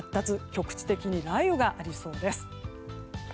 局地的に雷雨がありそうです。